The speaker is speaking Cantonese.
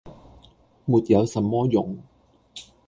“沒有什麼用。”